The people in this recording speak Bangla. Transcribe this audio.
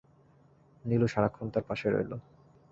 নীলু সারাক্ষণ তার পাশে রইল।